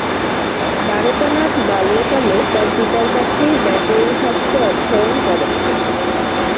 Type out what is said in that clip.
দ্বারকানাথ বাল্যকালে তার পিতার কাছেই ব্যাকরণ শাস্ত্র অধ্যয়ন করেন।